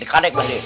ika dek ika dek